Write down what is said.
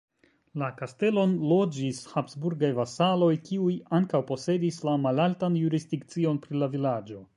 La kastelon loĝis habsburgaj vasaloj, kiuj ankaŭ posedis la malaltan jurisdikcion pri la vilaĝo.